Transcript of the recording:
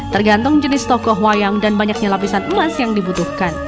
tergantung jenis tokoh wayang dan banyaknya lapisan emas yang dibutuhkan